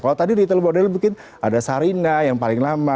kalau tadi retail model bikin ada sarina yang paling lama